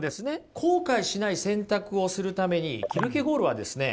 後悔しない選択をするためにキルケゴールはですね